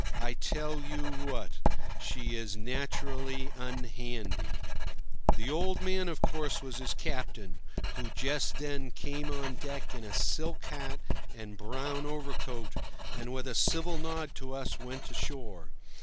I tell you what: she is naturally unhandy." The "old man," of course, was his captain, who just then came on deck in a silk hat and brown overcoat, and, with a civil nod to us, went ashore.